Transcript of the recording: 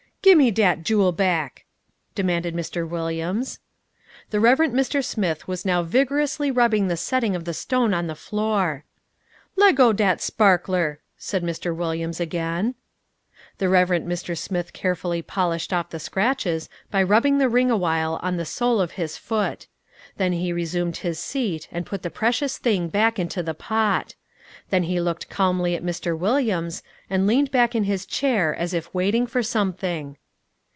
"Gimme dat jule back!" demanded Mr. Williams. The Reverend Mr. Smith was now vigorously rubbing the setting of the stone on the floor. "Leggo dat sparkler," said Mr. Williams again. The Reverend Mr. Smith carefully polished off the scratches by rubbing the ring a while on the sole of his foot. Then he resumed his seat and put the precious thing back into the pot. Then he looked calmly at Mr. Williams, and leaned back in his chair as if waiting for something.